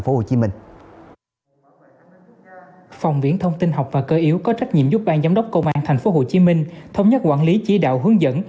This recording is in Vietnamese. phòng viễn thông tin học và cơ yếu có trách nhiệm giúp bang giám đốc công an tp hcm thống nhất quản lý chỉ đạo hướng dẫn